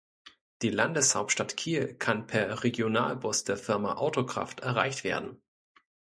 Die Landeshauptstadt Kiel kann per Regionalbus der Firma Autokraft erreicht werden.